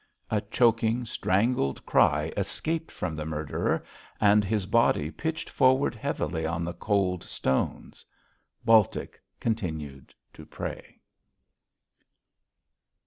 A choking, strangled cry escaped from the murderer, and his body pitched forward heavily on the cold stones. Baltic continued to pray.